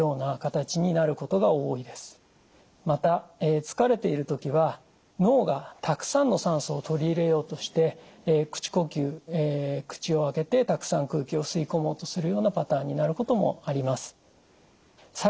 また疲れている時は脳がたくさんの酸素を取り入れようとして口呼吸口を開けてたくさん空気を吸い込もうとするようなパターンになることもあります。